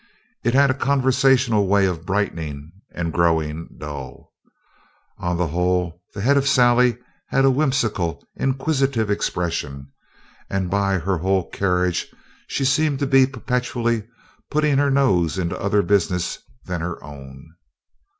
It had a conversational way of brightening and growing dull. On the whole, the head of Sally had a whimsical, inquisitive expression, and by her whole carriage she seemed to be perpetually putting her nose into other business than her own.